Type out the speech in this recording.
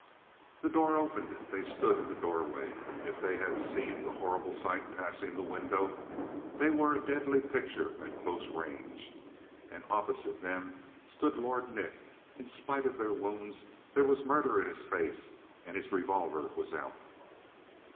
The door opened. They stood in the doorway, and if they had seemed a horrible sight passing the window, they were a deadly picture at close range. And opposite them stood Lord Nick; in spite of their wounds there was murder in his face and his revolver was out.